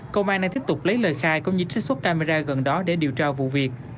công an đang tiếp tục lấy lời khai cũng như trích xuất camera gần đó để điều tra vụ việc